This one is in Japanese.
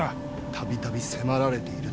度々迫られているって。